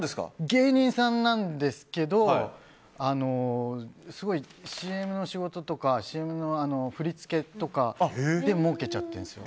芸人さんなんですけどすごいＣＭの仕事とか、ＣＭの振り付けとかでもうけちゃってるんです。